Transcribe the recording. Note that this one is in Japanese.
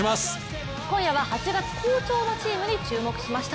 今夜は８月好調のチームに注目しました。